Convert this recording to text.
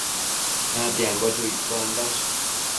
Natiambo chu iccondash